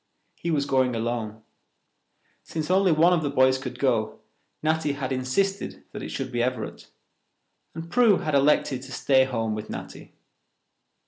He was going alone. Since only one of the boys could go, Natty had insisted that it should be Everett, and Prue had elected to stay home with Natty.